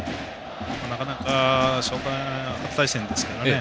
なかなか、初対戦ですからね。